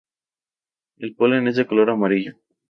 El polen es de color amarillo.